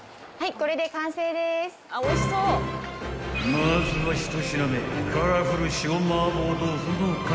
［まずは１品目］